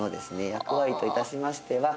役割といたしましては